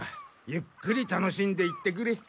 ゆっくり楽しんでいってくれ。